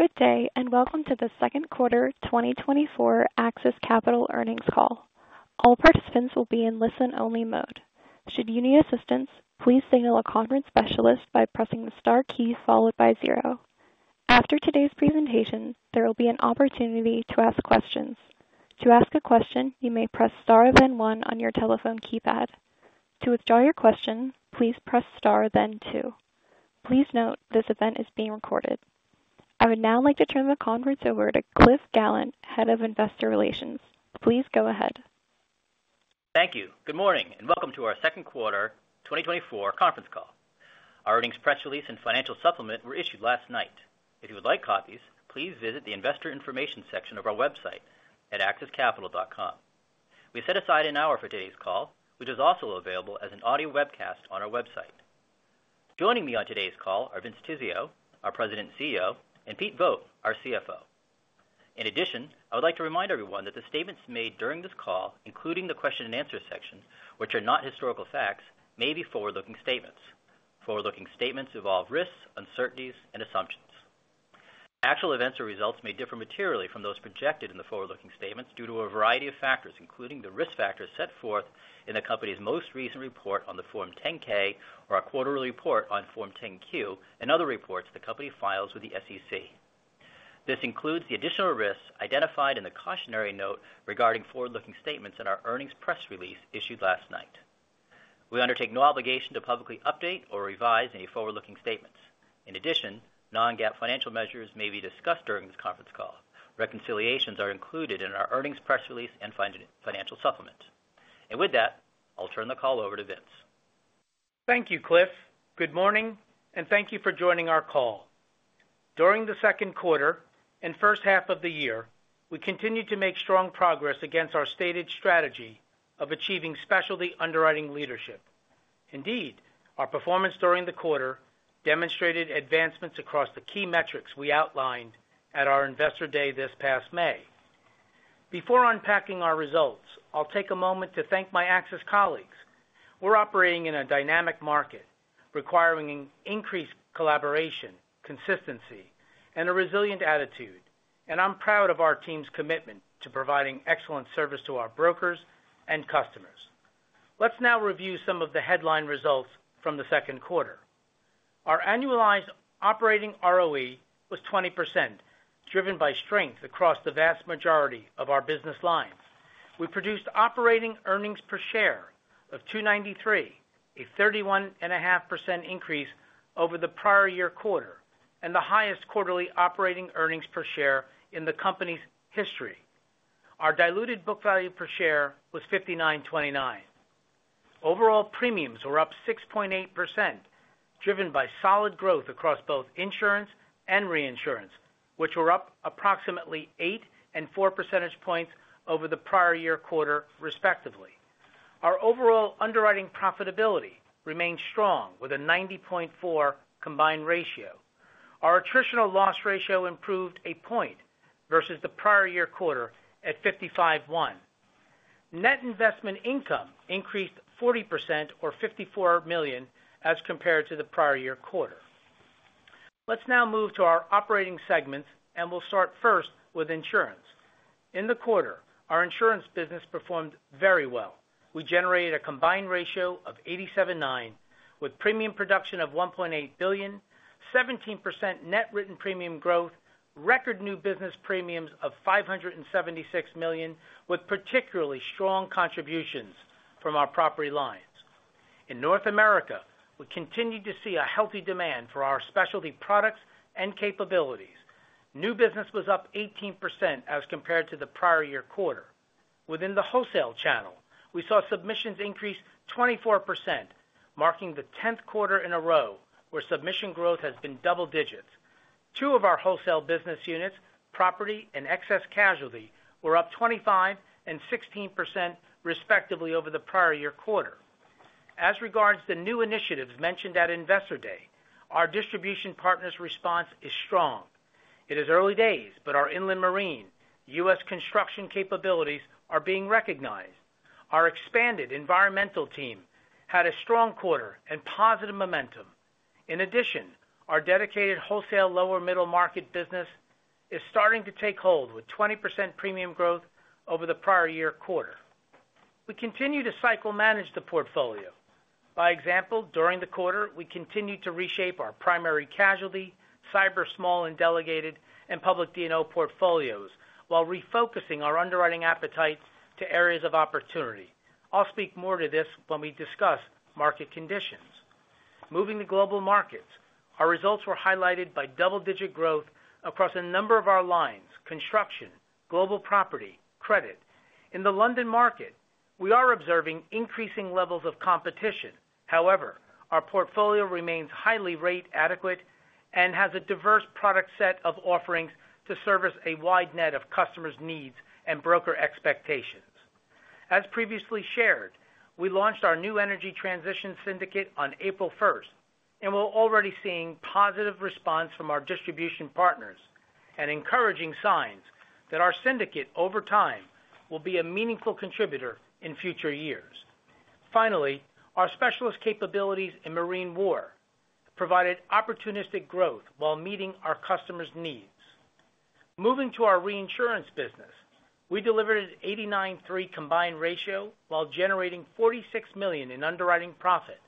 Good day, and welcome to the second quarter 2024 AXIS Capital Earnings call. All participants will be in listen-only mode. Should you need assistance, please signal a conference specialist by pressing the star key followed by zero. After today's presentation, there will be an opportunity to ask questions. To ask a question, you may press star then one on your telephone keypad. To withdraw your question, please press star then two. Please note this event is being recorded. I would now like to turn the conference over to Cliff Gallant, Head of Investor Relations. Please go ahead. Thank you. Good morning, and welcome to our second quarter 2024 conference call. Our earnings press release and financial supplement were issued last night. If you would like copies, please visit the investor information section of our website at axiscapital.com. We set aside an hour for today's call, which is also available as an audio webcast on our website. Joining me on today's call are Vince Tizzio, our President and CEO, and Pete Vogt, our CFO. In addition, I would like to remind everyone that the statements made during this call, including the question and answer section, which are not historical facts, may be forward-looking statements. Forward-looking statements involve risks, uncertainties, and assumptions. Actual events or results may differ materially from those projected in the forward-looking statements due to a variety of factors, including the risk factors set forth in the company's most recent report on the Form 10-K, or our quarterly report on Form 10-Q, and other reports the company files with the SEC. This includes the additional risks identified in the cautionary note regarding forward-looking statements in our earnings press release issued last night. We undertake no obligation to publicly update or revise any forward-looking statements. In addition, non-GAAP financial measures may be discussed during this conference call. Reconciliations are included in our earnings press release and financial supplement. With that, I'll turn the call over to Vince. Thank you, Cliff. Good morning, and thank you for joining our call. During the second quarter and first half of the year, we continued to make strong progress against our stated strategy of achieving specialty underwriting leadership. Indeed, our performance during the quarter demonstrated advancements across the key metrics we outlined at Investor Day this past May. Before unpacking our results, I'll take a moment to thank my AXIS colleagues. We're operating in a dynamic market requiring increased collaboration, consistency, and a resilient attitude, and I'm proud of our team's commitment to providing excellent service to our brokers and customers. Let's now review some of the headline results from the second quarter. Our annualized operating ROE was 20%, driven by strength across the vast majority of our business lines. We produced operating earnings per share of $2.93, a 31.5% increase over the prior year quarter, and the highest quarterly operating earnings per share in the company's history. Our diluted book value per share was $59.29. Overall premiums were up 6.8%, driven by solid growth across both insurance and reinsurance, which were up approximately 8 and 4 percentage points over the prior year quarter, respectively. Our overall underwriting profitability remained strong with a 90.4% combined ratio. Our attritional loss ratio improved a point versus the prior year quarter at 55.1%. Net investment income increased 40%, or $54 million, as compared to the prior year quarter. Let's now move to our operating segments, and we'll start first with insurance. In the quarter, our insurance business performed very well. We generated a combined ratio of 87.9%, with premium production of $1.8 billion, 17% net written premium growth, record new business premiums of $576 million, with particularly strong contributions from our property lines. In North America, we continued to see a healthy demand for our specialty products and capabilities. New business was up 18% as compared to the prior year quarter. Within the wholesale channel, we saw submissions increase 24%, marking the 10th quarter in a row where submission growth has been double digits. Two of our wholesale business units, property and excess casualty, were up 25% and 16%, respectively, over the prior year quarter. As regards the new initiatives mentioned Investor Day, our distribution partners' response is strong. It is early days, but our inland marine, U.S. construction capabilities are being recognized. Our expanded environmental team had a strong quarter and positive momentum. In addition, our dedicated wholesale lower-middle market business is starting to take hold with 20% premium growth over the prior year quarter. We continue to cycle-manage the portfolio. By example, during the quarter, we continued to reshape our Primary Casualty, Cyber small and delegated, and Public D&O portfolios while refocusing our underwriting appetite to areas of opportunity. I'll speak more to this when we discuss market conditions. Moving to global markets, our results were highlighted by double-digit growth across a number of our lines: Construction, Global Property, Credit. In the London market, we are observing increasing levels of competition. However, our portfolio remains highly rate-adequate and has a diverse product set of offerings to service a wide net of customers' needs and broker expectations. As previously shared, we launched our new Energy Transition Syndicate on April 1st and were already seeing positive responses from our distribution partners and encouraging signs that our Syndicate, over time, will be a meaningful contributor in future years. Finally, our specialist capabilities in Marine War provided opportunistic growth while meeting our customers' needs. Moving to our reinsurance business, we delivered an 89.3% combined ratio while generating $46 million in underwriting profit.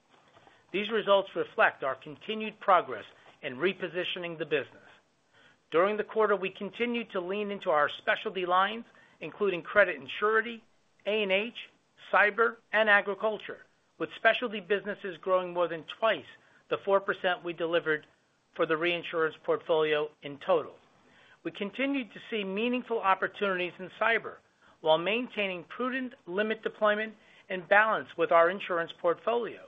These results reflect our continued progress in repositioning the business. During the quarter, we continued to lean into our specialty lines, including Credit & Surety, A&H, Cyber, and Agriculture, with specialty businesses growing more than twice the 4% we delivered for the reinsurance portfolio in total. We continued to see meaningful opportunities in Cyber while maintaining prudent limit deployment and balance with our insurance portfolio.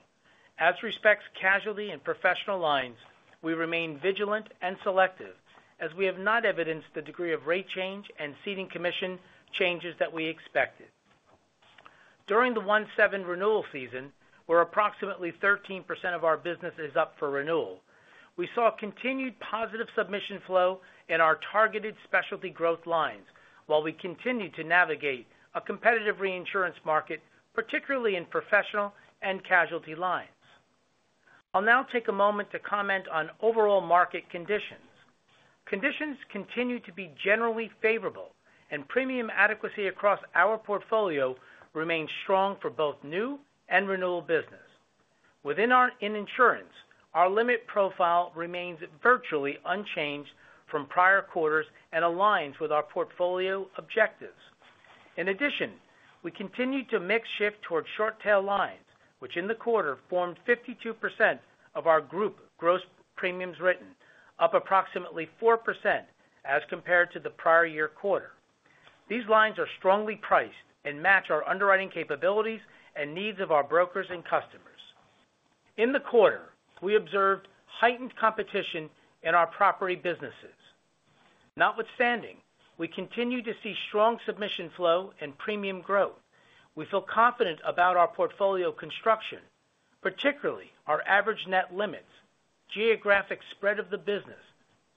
As respects casualty and Professional Lines, we remain vigilant and selective as we have not evidenced the degree of rate change and ceding commission changes that we expected. During the 1 July renewal season, where approximately 13% of our business is up for renewal, we saw continued positive submission flow in our targeted specialty growth lines while we continued to navigate a competitive reinsurance market, particularly in professional and casualty lines. I'll now take a moment to comment on overall market conditions. Conditions continue to be generally favorable, and premium adequacy across our portfolio remains strong for both new and renewal business. Within our insurance, our limit profile remains virtually unchanged from prior quarters and aligns with our portfolio objectives. In addition, we continue to mix shift toward short-tail lines, which in the quarter formed 52% of our group gross premiums written, up approximately 4% as compared to the prior year quarter. These lines are strongly priced and match our underwriting capabilities and needs of our brokers and customers. In the quarter, we observed heightened competition in our Property businesses. Notwithstanding, we continue to see strong submission flow and premium growth. We feel confident about our portfolio construction, particularly our average net limits, geographic spread of the business,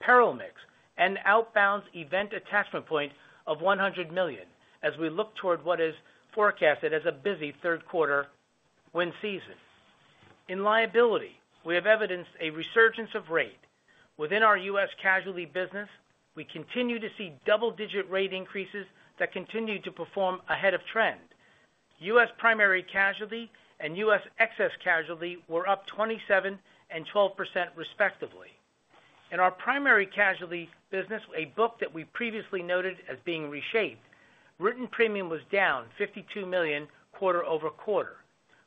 peril mix, and outbounds event attachment point of $100 million as we look toward what is forecasted as a busy third quarter wind season. In Liability, we have evidenced a resurgence of rate. Within our U.S. Casualty business, we continue to see double-digit rate increases that continue to perform ahead of trend. U.S. Primary Casualty and U.S. Excess Casualty were up 27% and 12%, respectively. In our Primary Casualty business, a book that we previously noted as being reshaped, written premium was down $52 million quarter-over-quarter.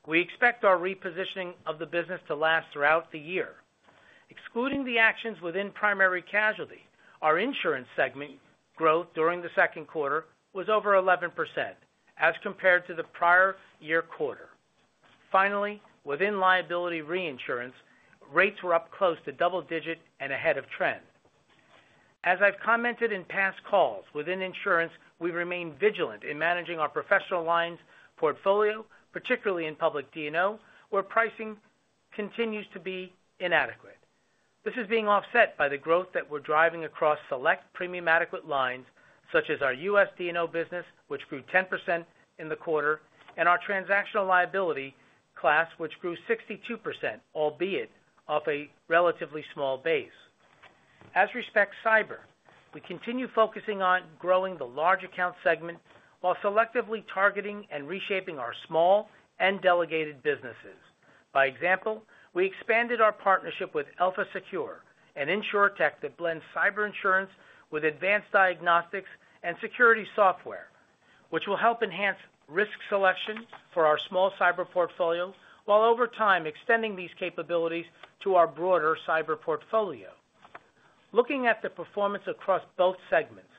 We expect our repositioning of the business to last throughout the year. Excluding the actions within Primary Casualty, our insurance segment growth during the second quarter was over 11% as compared to the prior-year quarter. Finally, within Liability Reinsurance, rates were up close to double-digit and ahead of trend. As I've commented in past calls, within Insurance, we remain vigilant in managing our Professional Lines portfolio, particularly in Public D&O, where pricing continues to be inadequate. This is being offset by the growth that we're driving across select premium adequate lines, such as our U.S. D&O business, which grew 10% in the quarter, and our Transactional Liability class, which grew 62%, albeit off a relatively small base. As respects Cyber, we continue focusing on growing the large account segment while selectively targeting and reshaping our small and delegated businesses. For example, we expanded our partnership with Elpha Secure, an insurtech that blends Cyber insurance with advanced diagnostics and security software, which will help enhance risk selection for our small Cyber portfolio while over time extending these capabilities to our broader Cyber portfolio. Looking at the performance across both segments,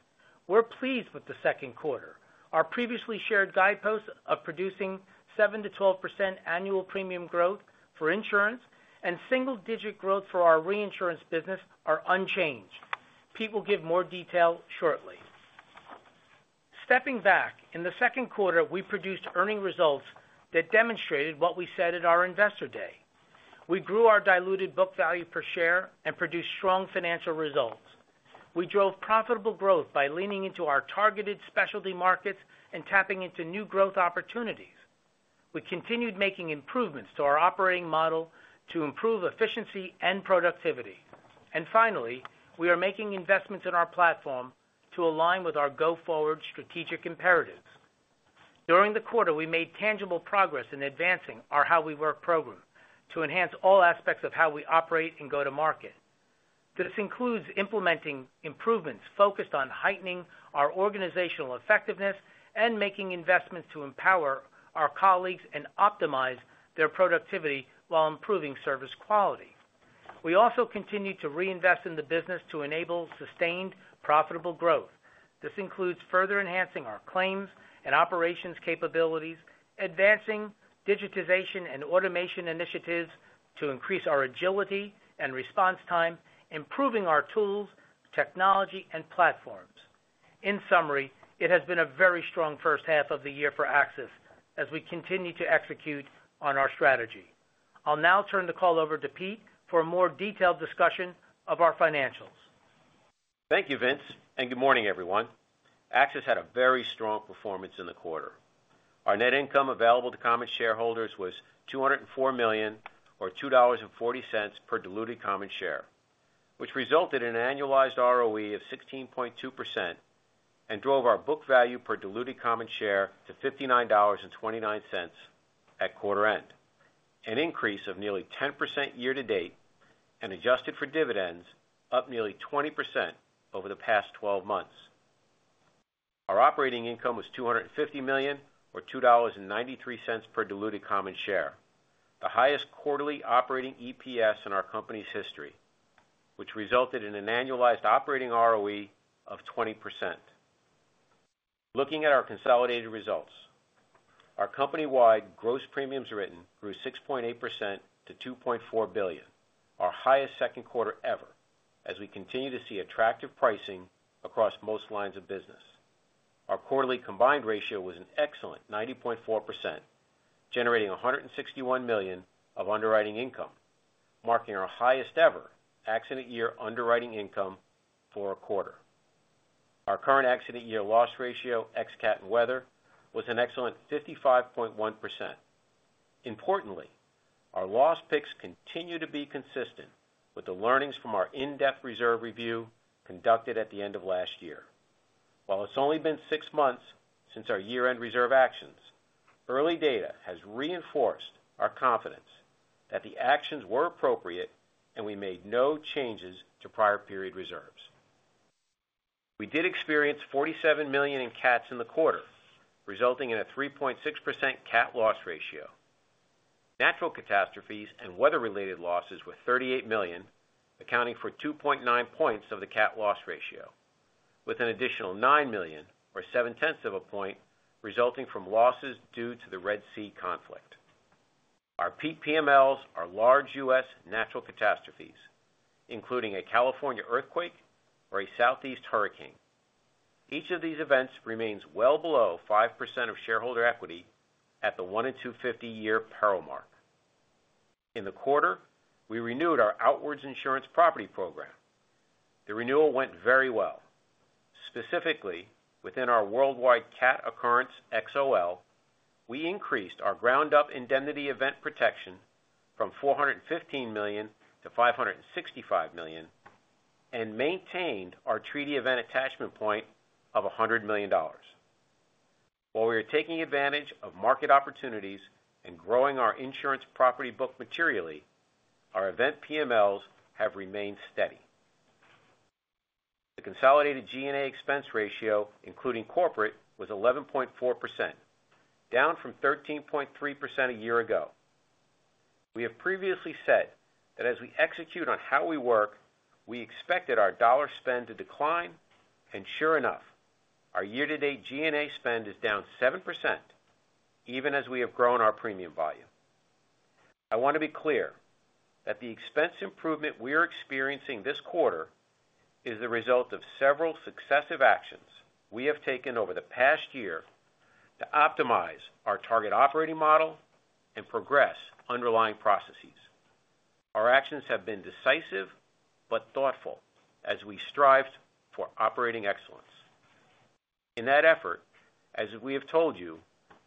we're pleased with the second quarter. Our previously shared guideposts of producing 7%-12% annual premium growth for Insurance and single-digit growth for our Reinsurance business are unchanged. Pete will give more detail shortly. Stepping back, in the second quarter, we produced earnings results that demonstrated what we said at Investor Day. we grew our diluted book value per share and produced strong financial results. We drove profitable growth by leaning into our targeted specialty markets and tapping into new growth opportunities. We continued making improvements to our operating model to improve efficiency and productivity. Finally, we are making investments in our platform to align with our go-forward strategic imperatives. During the quarter, we made tangible progress in advancing our How We Work program to enhance all aspects of how we operate and go to market. This includes implementing improvements focused on heightening our organizational effectiveness and making investments to empower our colleagues and optimize their productivity while improving service quality. We also continue to reinvest in the business to enable sustained profitable growth. This includes further enhancing our claims and operations capabilities, advancing digitization and automation initiatives to increase our agility and response time, improving our tools, technology, and platforms. In summary, it has been a very strong first half of the year for AXIS as we continue to execute on our strategy. I'll now turn the call over to Pete for a more detailed discussion of our financials. Thank you, Vince, and good morning, everyone. AXIS had a very strong performance in the quarter. Our net income available to common shareholders was $204 million, or $2.40 per diluted common share, which resulted in an annualized ROE of 16.2% and drove our book value per diluted common share to $59.29 at quarter end, an increase of nearly 10% year to date and adjusted for dividends up nearly 20% over the past 12 months. Our operating income was $250 million, or $2.93 per diluted common share, the highest quarterly operating EPS in our company's history, which resulted in an annualized operating ROE of 20%. Looking at our consolidated results, our company-wide gross premiums written grew 6.8% to $2.4 billion, our highest second quarter ever, as we continue to see attractive pricing across most lines of business. Our quarterly combined ratio was an excellent 90.4%, generating $161 million of underwriting income, marking our highest ever accident year underwriting income for a quarter. Our current accident year loss ratio, ex-CAT and weather, was an excellent 55.1%. Importantly, our loss picks continue to be consistent with the learnings from our in-depth reserve review conducted at the end of last year. While it's only been six months since our year-end reserve actions, early data has reinforced our confidence that the actions were appropriate and we made no changes to prior period reserves. We did experience $47 million in CATs in the quarter, resulting in a 3.6% CAT loss ratio. Natural catastrophes and weather-related losses were $38 million, accounting for 2.9 points of the CAT loss ratio, with an additional $9 million, or 7/10 of a point, resulting from losses due to the Red Sea conflict. Our PMLs are large U.S. natural catastrophes, including a California earthquake or a Southeast hurricane. Each of these events remains well below 5% of shareholder equity at the 1-in-250-year peril mark. In the quarter, we renewed our outwards insurance property program. The renewal went very well. Specifically, within our worldwide CAT occurrence XoL, we increased our ground-up indemnity event protection from $415 million to $565 million and maintained our treaty event attachment point of $100 million. While we are taking advantage of market opportunities and growing our insurance property book materially, our event PMLs have remained steady. The consolidated G&A expense ratio, including corporate, was 11.4%, down from 13.3% a year ago. We have previously said that as we execute on How We Work, we expected our dollar spend to decline, and sure enough, our year-to-date G&A spend is down 7%, even as we have grown our premium volume. I want to be clear that the expense improvement we are experiencing this quarter is the result of several successive actions we have taken over the past year to optimize our target operating model and progress underlying processes. Our actions have been decisive but thoughtful as we strived for operating excellence. In that effort, as we have told you,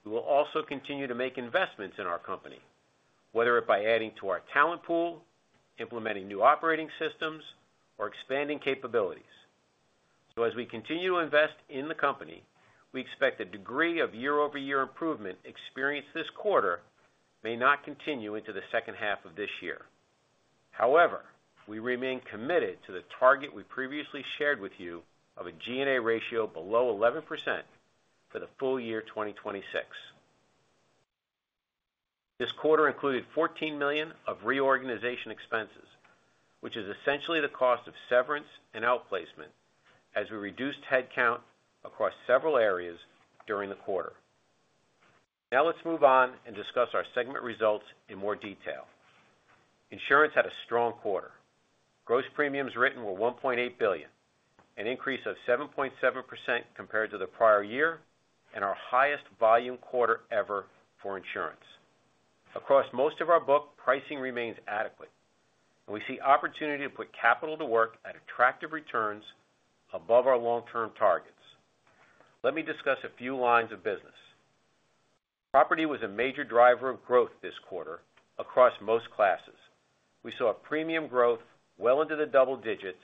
we will also continue to make investments in our company, whether it be by adding to our talent pool, implementing new operating systems, or expanding capabilities. So as we continue to invest in the company, we expect a degree of year-over-year improvement experienced this quarter may not continue into the second half of this year. However, we remain committed to the target we previously shared with you of a G&A ratio below 11% for the full year 2026. This quarter included $14 million of reorganization expenses, which is essentially the cost of severance and outplacement as we reduced headcount across several areas during the quarter. Now let's move on and discuss our segment results in more detail. Insurance had a strong quarter. Gross premiums written were $1.8 billion, an increase of 7.7% compared to the prior year and our highest volume quarter ever for insurance. Across most of our book, pricing remains adequate, and we see opportunity to put capital to work at attractive returns above our long-term targets. Let me discuss a few lines of business. Property was a major driver of growth this quarter across most classes. We saw premium growth well into the double digits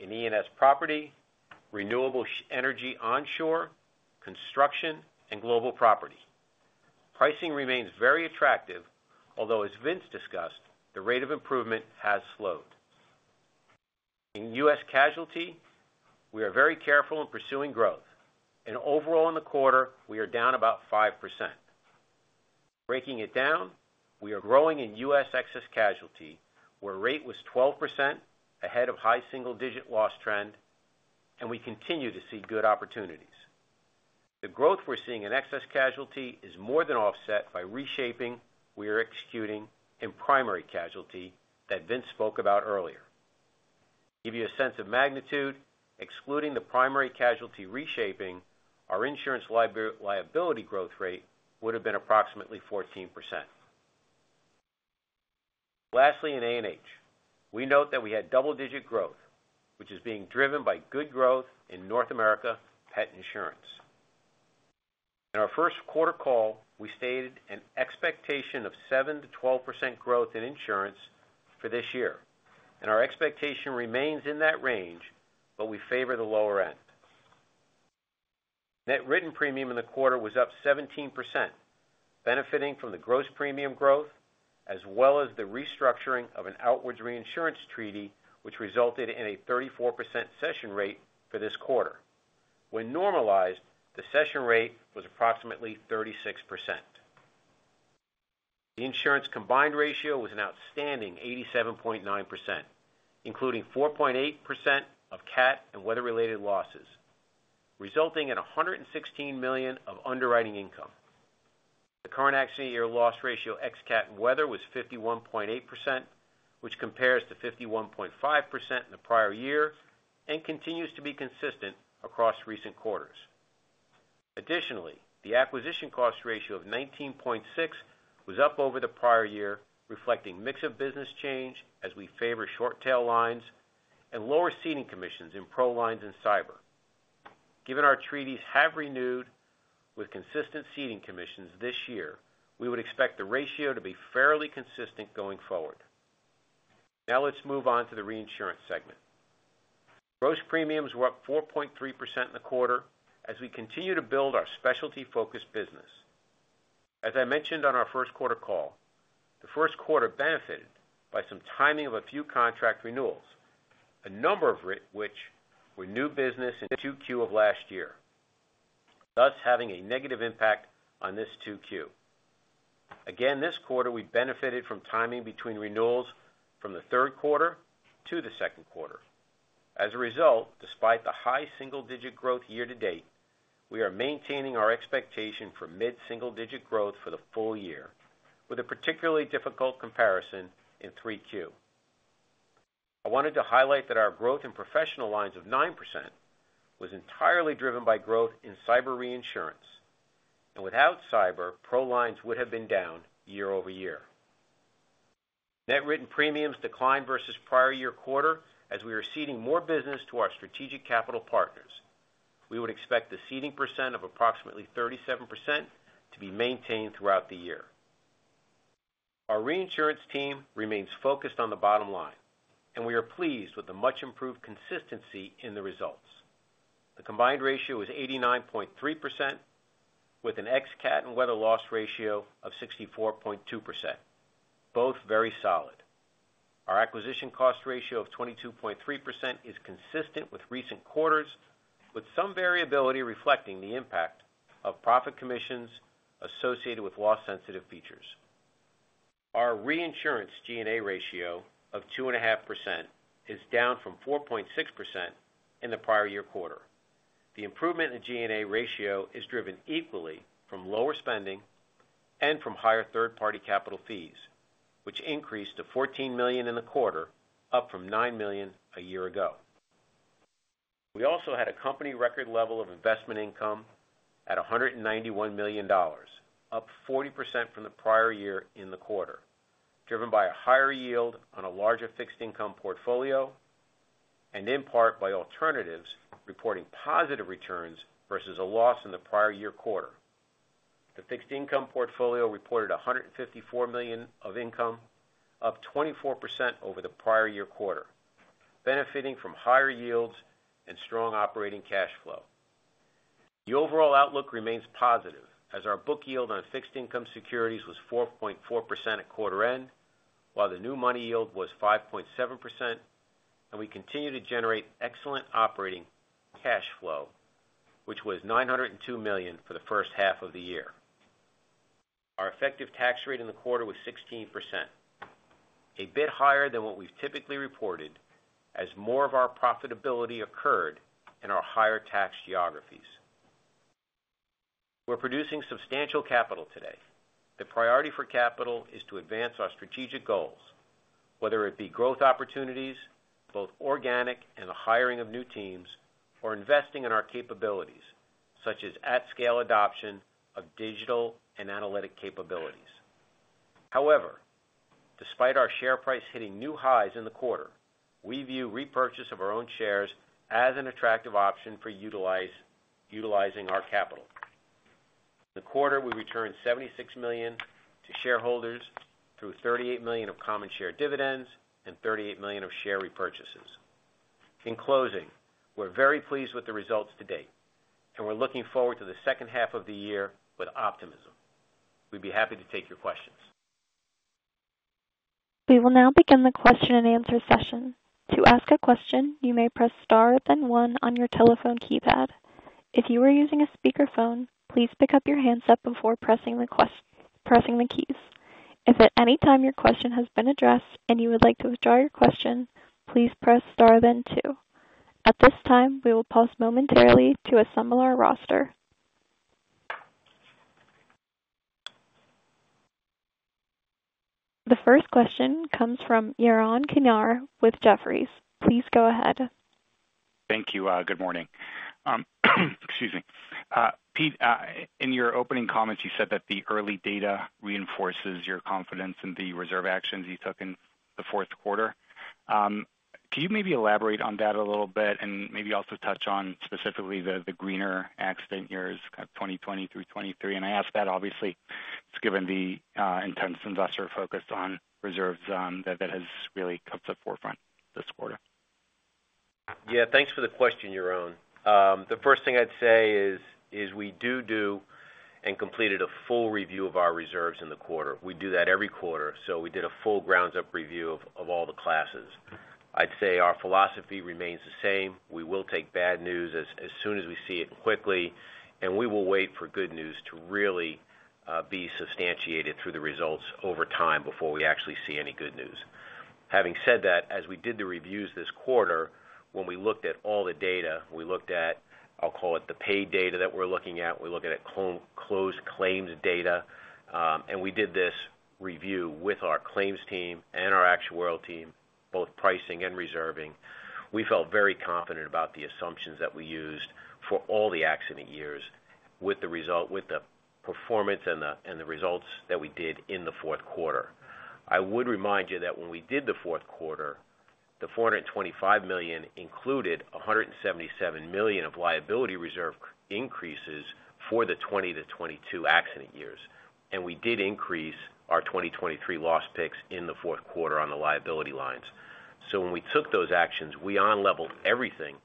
in E&S property, Renewables Energy Onshore, Construction, and Global Property. Pricing remains very attractive, although, as Vince discussed, the rate of improvement has slowed. In U.S. Casualty, we are very careful in pursuing growth, and overall in the quarter, we are down about 5%. Breaking it down, we are growing in U.S. Excess Casualty, where rate was 12% ahead of high single-digit loss trend, and we continue to see good opportunities. The growth we're seeing in excess casualty is more than offset by reshaping we are executing in primary casualty that Vince spoke about earlier. To give you a sense of magnitude, excluding the primary casualty reshaping, our insurance liability growth rate would have been approximately 14%. Lastly, in A&H, we note that we had double-digit growth, which is being driven by good growth in North America pet insurance. In our first quarter call, we stated an expectation of 7%-12% growth in insurance for this year, and our expectation remains in that range, but we favor the lower end. Net written premium in the quarter was up 17%, benefiting from the gross premium growth as well as the restructuring of an outwards reinsurance treaty, which resulted in a 34% cession rate for this quarter. When normalized, the cession rate was approximately 36%. The insurance combined ratio was an outstanding 87.9%, including 4.8% of CAT and weather-related losses, resulting in $116 million of underwriting income. The current accident year loss ratio ex-CAT and weather was 51.8%, which compares to 51.5% in the prior year and continues to be consistent across recent quarters. Additionally, the acquisition cost ratio of 19.6% was up over the prior year, reflecting mix of business change as we favor short-tail lines and lower ceding commissions in Pro Lines and Cyber. Given our treaties have renewed with consistent ceding commissions this year, we would expect the ratio to be fairly consistent going forward. Now let's move on to the Reinsurance segment. Gross premiums were up 4.3% in the quarter as we continue to build our specialty-focused business. As I mentioned on our first quarter call, the first quarter benefited by some timing of a few contract renewals, a number of which were new business in 2Q of last year, thus having a negative impact on this 2Q. Again, this quarter, we benefited from timing between renewals from the third quarter to the second quarter. As a result, despite the high single-digit growth year to date, we are maintaining our expectation for mid-single-digit growth for the full year, with a particularly difficult comparison in 3Q. I wanted to highlight that our growth in Professional Lines of 9% was entirely driven by growth in Cyber reinsurance, and without Cyber, Pro Lines would have been down year-over-year. Net written premiums declined versus prior year quarter as we were ceding more business to our strategic capital partners. We would expect the ceding percent of approximately 37% to be maintained throughout the year. Our Reinsurance team remains focused on the bottom line, and we are pleased with the much-improved consistency in the results. The combined ratio is 89.3%, with an ex-CAT and weather loss ratio of 64.2%, both very solid. Our acquisition cost ratio of 22.3% is consistent with recent quarters, with some variability reflecting the impact of profit commissions associated with loss-sensitive features. Our Reinsurance G&A ratio of 2.5% is down from 4.6% in the prior year quarter. The improvement in G&A ratio is driven equally from lower spending and from higher third-party capital fees, which increased to $14 million in the quarter, up from $9 million a year ago. We also had a company record level of investment income at $191 million, up 40% from the prior year in the quarter, driven by a higher yield on a larger fixed income portfolio and in part by alternatives reporting positive returns versus a loss in the prior year quarter. The fixed income portfolio reported $154 million of income, up 24% over the prior year quarter, benefiting from higher yields and strong operating cash flow. The overall outlook remains positive as our book yield on fixed income securities was 4.4% at quarter end, while the new money yield was 5.7%, and we continue to generate excellent operating cash flow, which was $902 million for the first half of the year. Our effective tax rate in the quarter was 16%, a bit higher than what we've typically reported as more of our profitability occurred in our higher tax geographies. We're producing substantial capital today. The priority for capital is to advance our strategic goals, whether it be growth opportunities, both organic and the hiring of new teams, or investing in our capabilities, such as at-scale adoption of digital and analytic capabilities. However, despite our share price hitting new highs in the quarter, we view repurchase of our own shares as an attractive option for utilizing our capital. In the quarter, we returned $76 million to shareholders through $38 million of common share dividends and $38 million of share repurchases. In closing, we're very pleased with the results to date, and we're looking forward to the second half of the year with optimism. We'd be happy to take your questions. We will now begin the question and answer session. To ask a question, you may press star then one on your telephone keypad. If you are using a speakerphone, please pick up your handset before pressing the keys. If at any time your question has been addressed and you would like to withdraw your question, please press star then two. At this time, we will pause momentarily to assemble our roster. The first question comes from Yaron Kinar with Jefferies. Please go ahead. Thank you. Good morning. Excuse me. In your opening comments, you said that the early data reinforces your confidence in the reserve actions you took in the fourth quarter. Can you maybe elaborate on that a little bit and maybe also touch on specifically the cleaner accident years kind of 2020 through 2023? And I ask that obviously just given the intense investor focus on reserves that has really come to the forefront this quarter. Yeah. Thanks for the question, Yaron. The first thing I'd say is we do do and completed a full review of our reserves in the quarter. We do that every quarter, so we did a full ground-up review of all the classes. I'd say our philosophy remains the same. We will take bad news as soon as we see it quickly, and we will wait for good news to really be substantiated through the results over time before we actually see any good news. Having said that, as we did the reviews this quarter, when we looked at all the data, we looked at, I'll call it the paid data that we're looking at. We looked at closed claims data, and we did this review with our claims team and our actuarial team, both pricing and reserving. We felt very confident about the assumptions that we used for all the accident years with the performance and the results that we did in the fourth quarter. I would remind you that when we did the fourth quarter, the $425 million included $177 million of liability reserve increases for the 2020 to 2022 accident years, and we did increase our 2023 loss picks in the fourth quarter on the Liability lines. So when we took those actions, we unleveled everything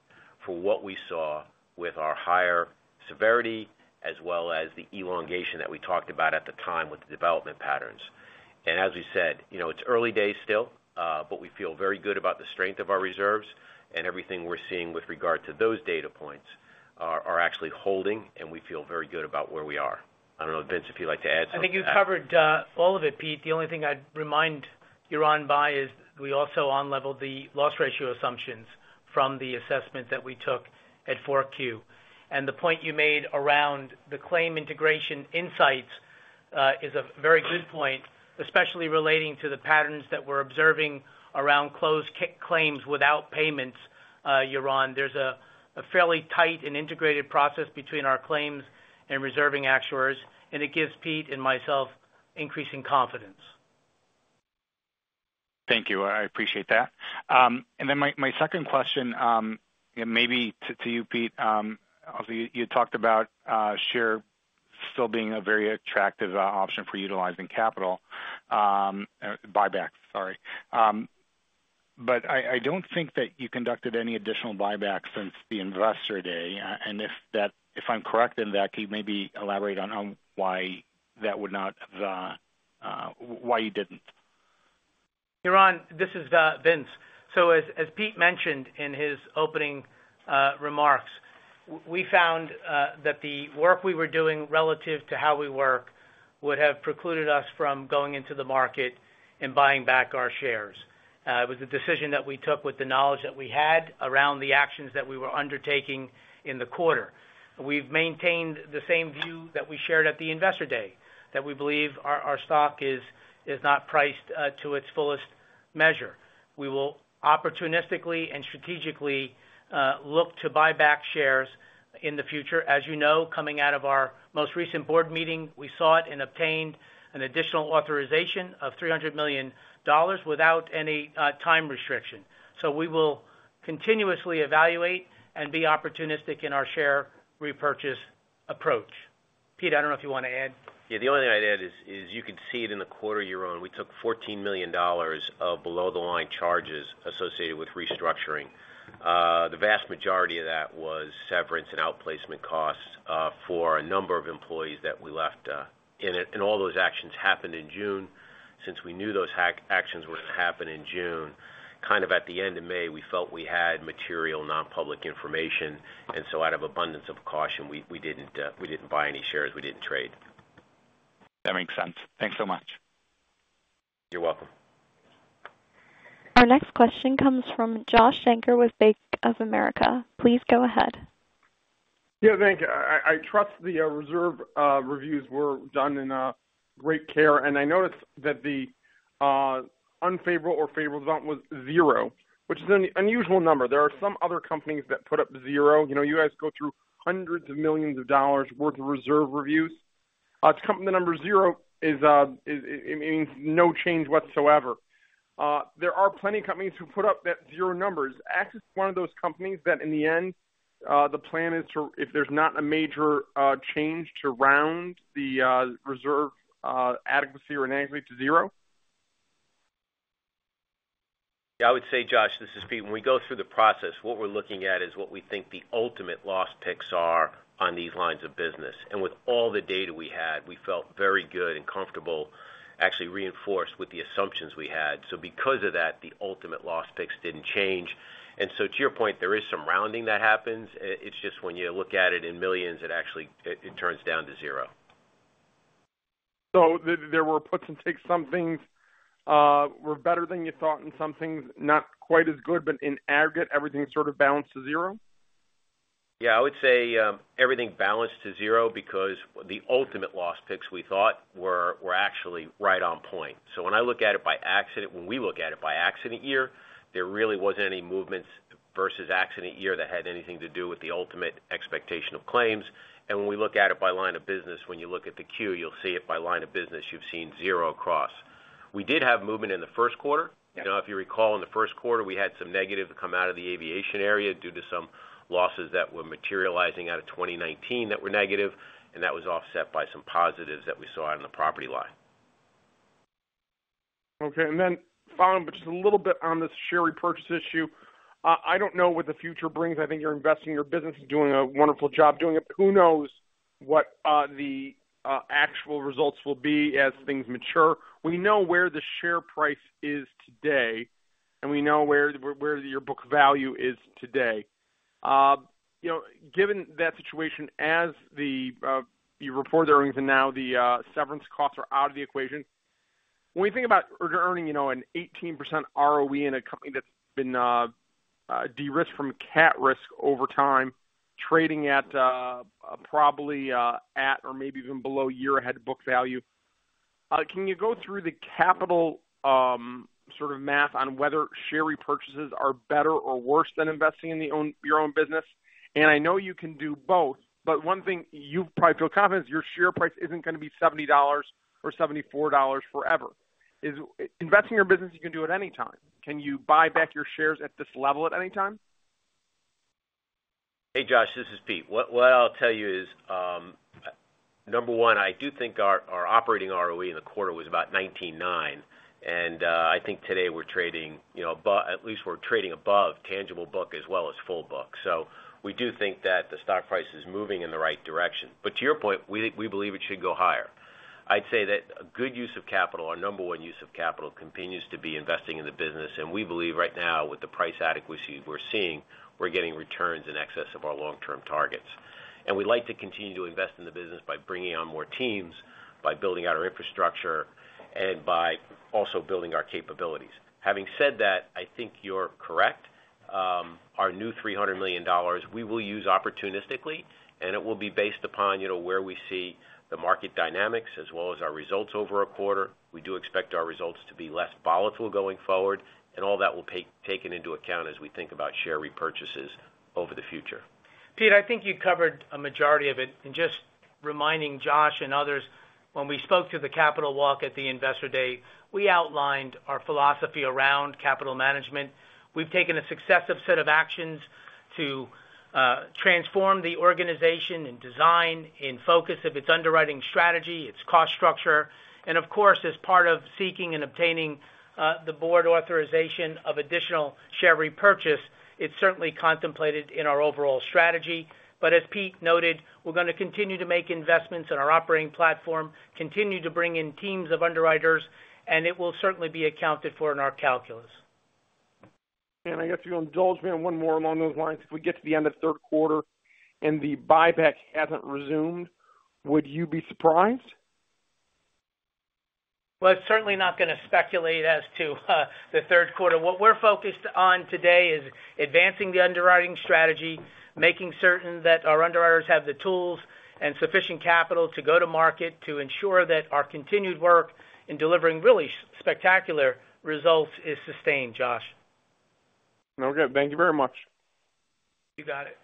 for what we saw with our higher severity as well as the elongation that we talked about at the time with the development patterns. And as we said, it's early days still, but we feel very good about the strength of our reserves, and everything we're seeing with regard to those data points are actually holding, and we feel very good about where we are. I don't know, Vince, if you'd like to add something. I think you covered all of it, Pete. The only thing I'd remind Yaron by is we also unleveled the loss ratio assumptions from the assessment that we took at 4Q. And the point you made around the claim integration insights is a very good point, especially relating to the patterns that we're observing around closed claims without payments, Yaron. There's a fairly tight and integrated process between our claims and reserving actuaries, and it gives Pete and myself increasing confidence. Thank you. I appreciate that. And then my second question, maybe to you, Pete, obviously you talked about share still being a very attractive option for utilizing capital, buyback, sorry. But I don't think that you conducted any additional buyback since Investor Day. and if I'm correct in that, can you maybe elaborate on why that would not, why you didn't? Yaron, this is Vince. So as Pete mentioned in his opening remarks, we found that the work we were doing relative to How We Work would have precluded us from going into the market and buying back our shares. It was a decision that we took with the knowledge that we had around the actions that we were undertaking in the quarter. We've maintained the same view that we shared at Investor Day, that we believe our stock is not priced to its fullest measure. We will opportunistically and strategically look to buy back shares in the future. As you know, coming out of our most recent board meeting, we sought and obtained an additional authorization of $300 million without any time restriction. So we will continuously evaluate and be opportunistic in our share repurchase approach. Pete, I don't know if you want to add. Yeah. The only thing I'd add is you can see it in the quarter, Yaron. We took $14 million of below-the-line charges associated with restructuring. The vast majority of that was severance and outplacement costs for a number of employees that we left. And all those actions happened in June. Since we knew those actions were going to happen in June, kind of at the end of May, we felt we had material nonpublic information. And so out of abundance of caution, we didn't buy any shares. We didn't trade. That makes sense. Thanks so much. You're welcome. Our next question comes from Josh Shanker with Bank of America. Please go ahead. Yeah. Thank you. I trust the reserve reviews were done in great care. And I noticed that the unfavorable or favorable result was zero, which is an unusual number. There are some other companies that put up zero. You guys go through hundreds of millions of dollars worth of reserve reviews. To come to the number zero, it means no change whatsoever. There are plenty of companies who put up that zero number. Is AXIS one of those companies that in the end, the plan is to, if there's not a major change to round the reserve adequacy or inadequacy to zero? Yeah. I would say, Josh, this is Pete. When we go through the process, what we're looking at is what we think the ultimate loss picks are on these lines of business. And with all the data we had, we felt very good and comfortable, actually reinforced with the assumptions we had. So because of that, the ultimate loss picks didn't change. And so to your point, there is some rounding that happens. It's just when you look at it in millions, it turns down to zero. So there were puts and takes. Some things were better than you thought and some things not quite as good, but in aggregate, everything sort of balanced to zero? Yeah. I would say everything balanced to zero because the ultimate loss picks we thought were actually right on point. So when I look at it by accident, when we look at it by accident year, there really wasn't any movements versus accident year that had anything to do with the ultimate expectation of claims. And when we look at it by line of business, when you look at the Q, you'll see it by line of business, you've seen zero across. We did have movement in the first quarter. Now, if you recall, in the first quarter, we had some negative come out of the aviation area due to some losses that were materializing out of 2019 that were negative, and that was offset by some positives that we saw out in the Property line. Okay. And then following up just a little bit on this share repurchase issue, I don't know what the future brings. I think your investing, your business is doing a wonderful job doing it. But who knows what the actual results will be as things mature? We know where the share price is today, and we know where your book value is today. Given that situation, as you report the earnings and now the severance costs are out of the equation, when we think about earning an 18% ROE in a company that's been de-risked from CAT risk over time, trading at probably at or maybe even below year-ahead book value, can you go through the capital sort of math on whether share repurchases are better or worse than investing in your own business? I know you can do both, but one thing you probably feel confident is your share price isn't going to be $70 or $74 forever. Investing in your business, you can do it anytime. Can you buy back your shares at this level at any time? Hey, Josh, this is Pete. What I'll tell you is, number one, I do think our operating ROE in the quarter was about 19.9%. And I think today we're trading above—at least we're trading above tangible book as well as full book. So we do think that the stock price is moving in the right direction. But to your point, we believe it should go higher. I'd say that a good use of capital, our number one use of capital, continues to be investing in the business. And we believe right now with the price adequacy we're seeing, we're getting returns in excess of our long-term targets. And we'd like to continue to invest in the business by bringing on more teams, by building out our infrastructure, and by also building our capabilities. Having said that, I think you're correct. Our new $300 million, we will use opportunistically, and it will be based upon where we see the market dynamics as well as our results over a quarter. We do expect our results to be less volatile going forward, and all that will be taken into account as we think about share repurchases over the future. Pete, I think you covered a majority of it. Just reminding Josh and others, when we spoke to the Capital Walk at the Investor Day, we outlined our philosophy around capital management. We've taken a successive set of actions to transform the organization and design and focus of its underwriting strategy, its cost structure. Of course, as part of seeking and obtaining the board authorization of additional share repurchase, it's certainly contemplated in our overall strategy. But as Pete noted, we're going to continue to make investments in our operating platform, continue to bring in teams of underwriters, and it will certainly be accounted for in our calculus. I guess you'll indulge me in one more along those lines. If we get to the end of third quarter and the buyback hasn't resumed, would you be surprised? Well, it's certainly not going to speculate as to the third quarter. What we're focused on today is advancing the underwriting strategy, making certain that our underwriters have the tools and sufficient capital to go to market to ensure that our continued work in delivering really spectacular results is sustained, Josh. Okay. Thank you very much. You got it.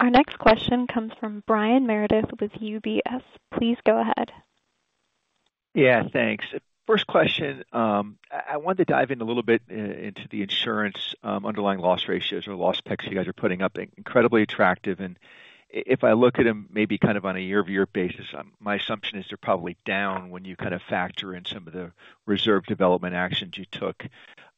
Our next question comes from Brian Meredith with UBS. Please go ahead. Yeah. Thanks. First question, I wanted to dive in a little bit into the insurance underlying loss ratios or loss picks you guys are putting up. Incredibly attractive. And if I look at them maybe kind of on a year-over-year basis, my assumption is they're probably down when you kind of factor in some of the reserve development actions you took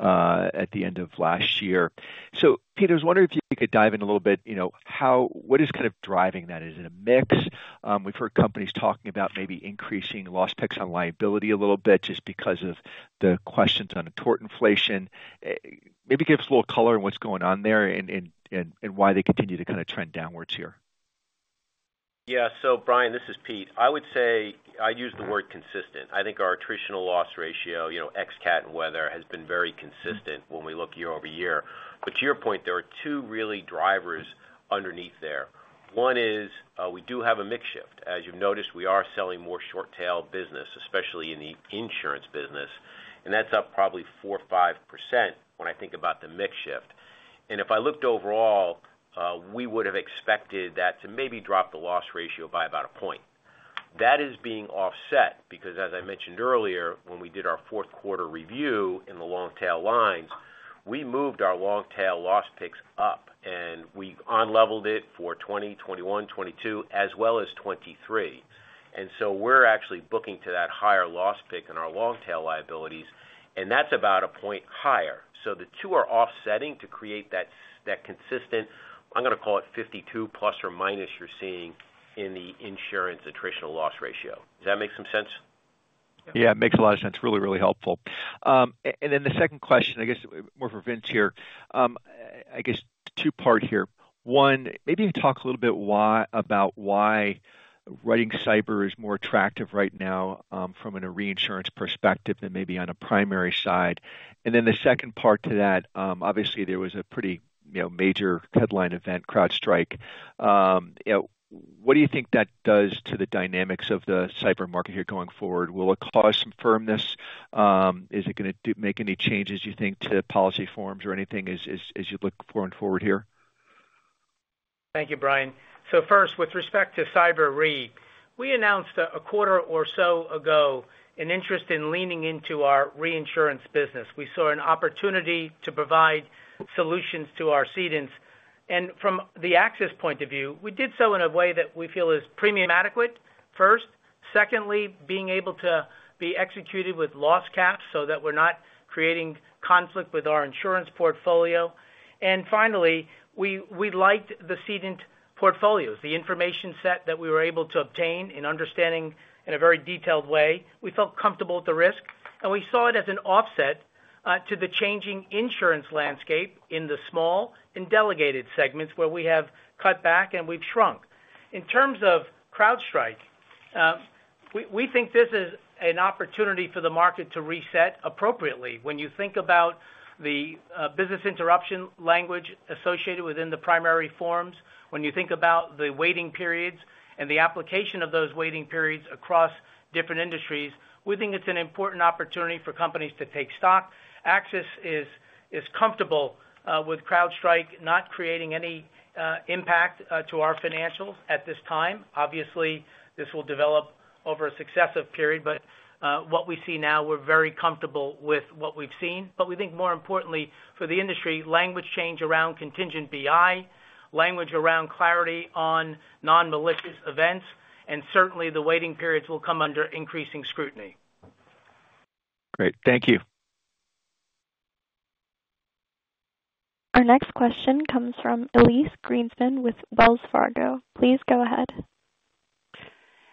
at the end of last year. So Pete, I was wondering if you could dive in a little bit. What is kind of driving that? Is it a mix? We've heard companies talking about maybe increasing loss picks on liability a little bit just because of the questions on tort inflation. Maybe give us a little color on what's going on there and why they continue to kind of trend downwards here. Yeah. So Brian, this is Pete. I would say I'd use the word consistent. I think our attritional loss ratio, ex-CAT and weather, has been very consistent when we look year-over-year. But to your point, there are two really drivers underneath there. One is we do have a mix shift. As you've noticed, we are selling more short-tail business, especially in the insurance business. And that's up probably 4% or 5% when I think about the mix shift. And if I looked overall, we would have expected that to maybe drop the loss ratio by about a point. That is being offset because, as I mentioned earlier, when we did our fourth quarter review in the long-tail lines, we moved our long-tail loss picks up, and we unleveled it for 2020, 2021, 2022, as well as 2023. So we're actually booking to that higher loss pick in our long-tail lines, and that's about a point higher. The two are offsetting to create that consistent, I'm going to call it 52 ± you're seeing in the insurance attritional loss ratio. Does that make some sense? Yeah. Makes a lot of sense. Really, really helpful. And then the second question, I guess more for Vince here. I guess two-part here. One, maybe you can talk a little bit about why writing Cyber is more attractive right now from a reinsurance perspective than maybe on a primary side. And then the second part to that, obviously, there was a pretty major headline event, CrowdStrike. What do you think that does to the dynamics of the Cyber market here going forward? Will it cause some firmness? Is it going to make any changes, you think, to policy forms or anything as you look forward and forward here? Thank you, Brian. First, with respect to Cyber reinsurance, we announced a quarter or so ago an interest in leaning into our reinsurance business. We saw an opportunity to provide solutions to our cedents. And from the AXIS point of view, we did so in a way that we feel is premium adequate, first. Secondly, being able to be executed with loss caps so that we're not creating conflict with our insurance portfolio. And finally, we liked the cedents' portfolios, the information set that we were able to obtain in understanding in a very detailed way. We felt comfortable with the risk, and we saw it as an offset to the changing insurance landscape in the small and delegated segments where we have cut back and we've shrunk. In terms of CrowdStrike, we think this is an opportunity for the market to reset appropriately. When you think about the business interruption language associated within the primary forms, when you think about the waiting periods and the application of those waiting periods across different industries, we think it's an important opportunity for companies to take stock. AXIS is comfortable with CrowdStrike not creating any impact to our financials at this time. Obviously, this will develop over a successive period, but what we see now, we're very comfortable with what we've seen. But we think, more importantly, for the industry, language change around contingent BI, language around clarity on non-malicious events, and certainly the waiting periods will come under increasing scrutiny. Great. Thank you. Our next question comes from Elyse Greenspan with Wells Fargo. Please go ahead.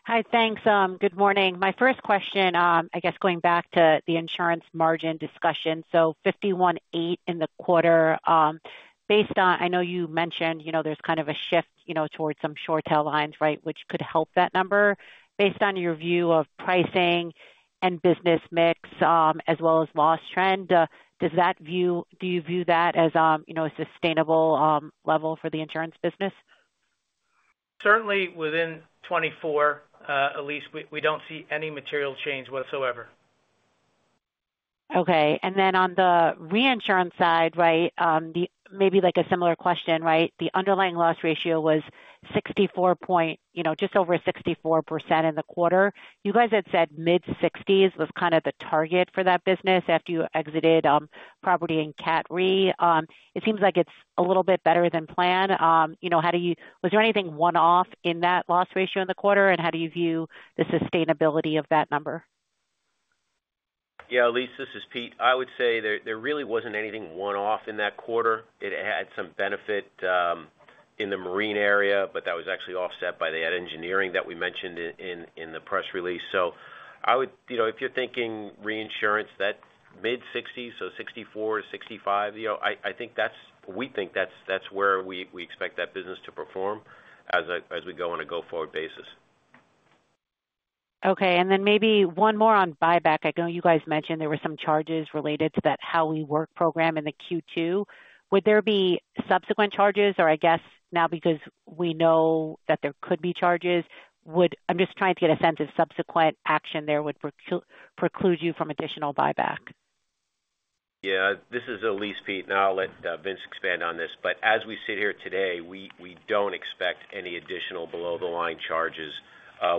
Hi. Thanks. Good morning. My first question, I guess going back to the insurance margin discussion, so 51.8% in the quarter, based on I know you mentioned there's kind of a shift towards some short-tail lines, right, which could help that number. Based on your view of pricing and business mix as well as loss trend, do you view that as a sustainable level for the insurance business? Certainly within 2024, Elyse, we don't see any material change whatsoever. Okay. And then on the reinsurance side, right, maybe a similar question, right? The underlying loss ratio was 64%, just over 64% in the quarter. You guys had said mid-60s was kind of the target for that business after you exited property and cat re. It seems like it's a little bit better than planned. Was there anything one-off in that loss ratio in the quarter, and how do you view the sustainability of that number? Yeah. Elyse, this is Pete. I would say there really wasn't anything one-off in that quarter. It had some benefit in the marine area, but that was actually offset by the engineering that we mentioned in the press release. So if you're thinking reinsurance, that mid-60s, so 64-65, I think that's we think that's where we expect that business to perform as we go on a go-forward basis. Okay. And then maybe one more on buyback. I know you guys mentioned there were some charges related to that How We Work program in the Q2. Would there be subsequent charges? Or I guess now because we know that there could be charges, I'm just trying to get a sense of subsequent action there would preclude you from additional buyback. Yeah. This is Pete. Now I'll let Vince expand on this. But as we sit here today, we don't expect any additional below-the-line charges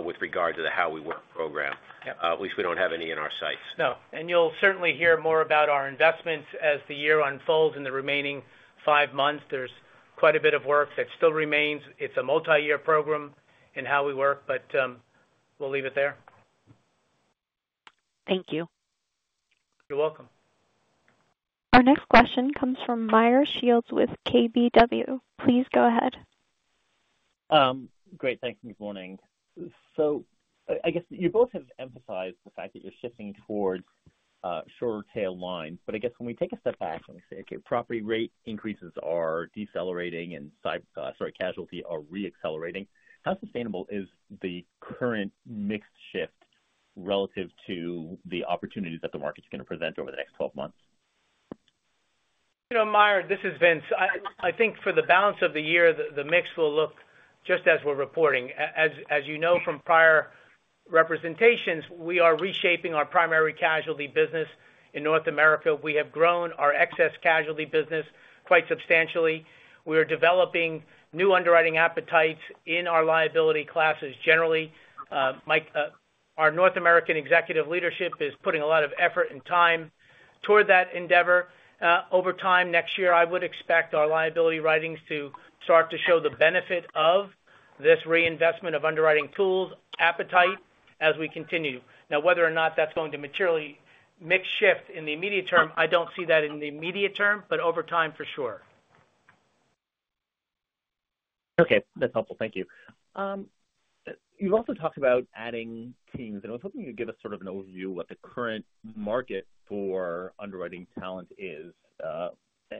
with regard to the How We Work program. At least we don't have any in our sights. No. And you'll certainly hear more about our investments as the year unfolds in the remaining five months. There's quite a bit of work that still remains. It's a multi-year program in How We Work, but we'll leave it there. Thank you. You're welcome. Our next question comes from Meyer Shields with KBW. Please go ahead. Great. Thank you. Good morning. So I guess you both have emphasized the fact that you're shifting towards short-tail lines. But I guess when we take a step back and we say, "Okay. Property rate increases are decelerating and sorry, casualty are re-accelerating," how sustainable is the current mix shift relative to the opportunities that the market's going to present over the next 12 months? Meyer, this is Vince. I think for the balance of the year, the mix will look just as we're reporting. As you know from prior representations, we are reshaping our primary casualty business in North America. We have grown our excess casualty business quite substantially. We are developing new underwriting appetites in our liability classes generally. Our North American executive leadership is putting a lot of effort and time toward that endeavor. Over time next year, I would expect our liability writings to start to show the benefit of this reinvestment of underwriting tools appetite as we continue. Now, whether or not that's going to materially mix shift in the immediate term, I don't see that in the immediate term, but over time for sure. Okay. That's helpful. Thank you. You've also talked about adding teams. And I was hoping you could give us sort of an overview of what the current market for underwriting talent is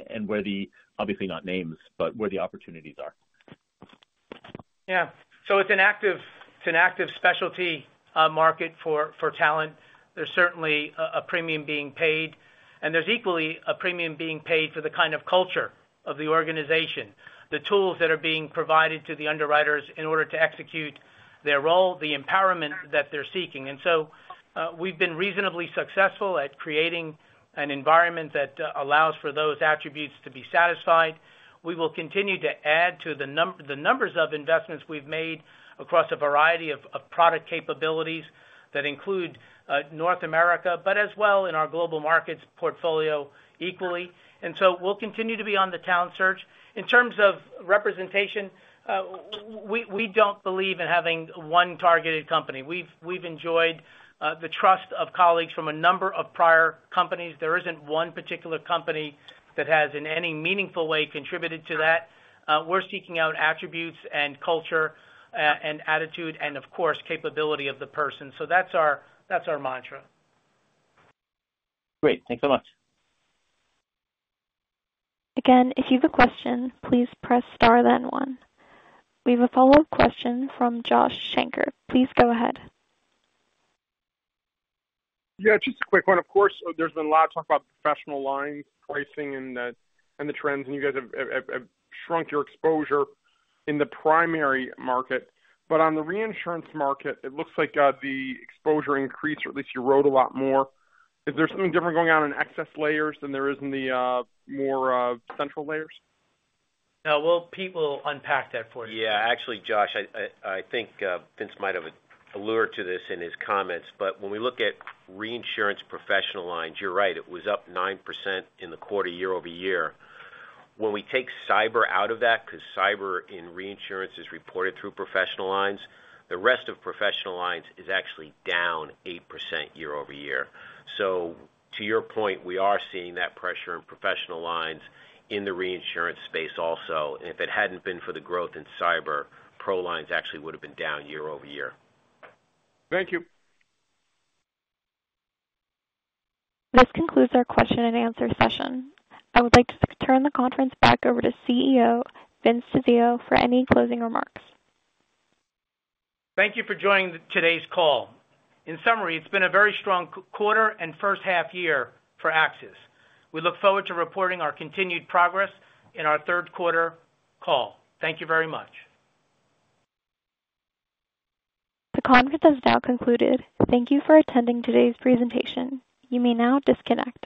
and where the obviously not names, but where the opportunities are. Yeah. So it's an active specialty market for talent. There's certainly a premium being paid, and there's equally a premium being paid for the kind of culture of the organization, the tools that are being provided to the underwriters in order to execute their role, the empowerment that they're seeking. And so we've been reasonably successful at creating an environment that allows for those attributes to be satisfied. We will continue to add to the numbers of investments we've made across a variety of product capabilities that include North America, but as well in our global markets portfolio equally. And so we'll continue to be on the talent search. In terms of representation, we don't believe in having one targeted company. We've enjoyed the trust of colleagues from a number of prior companies. There isn't one particular company that has in any meaningful way contributed to that. We're seeking out attributes and culture and attitude and, of course, capability of the person. So that's our mantra. Great. Thanks so much. Again, if you have a question, please press star then one. We have a follow-up question from Josh Shanker. Please go ahead. Yeah. Just a quick one. Of course, there's been a lot of talk about the Professional Lines, pricing, and the trends, and you guys have shrunk your exposure in the primary market. But on the reinsurance market, it looks like the exposure increased, or at least you wrote a lot more. Is there something different going on in excess layers than there is in the more central layers? Well, Pete will unpack that for you. Yeah. Actually, Josh, I think Vince might have alluded to this in his comments. But when we look at reinsurance Professional Lines, you're right. It was up 9% in the quarter year-over-year. When we take Cyber out of that, because Cyber in reinsurance is reported through Professional Lines, the rest of Professional Lines is actually down 8% year-over-year. So to your point, we are seeing that pressure in Professional Lines in the reinsurance space also. And if it hadn't been for the growth in Cyber, Pro Lines actually would have been down year-over-year. Thank you. This concludes our question and answer session. I would like to turn the conference back over to CEO Vince Tizzio for any closing remarks. Thank you for joining today's call. In summary, it's been a very strong quarter and first half year for AXIS. We look forward to reporting our continued progress in our third quarter call. Thank you very much. The conference is now concluded. Thank you for attending today's presentation. You may now disconnect.